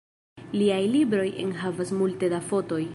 Liaj libroj enhavas multe da fotoj.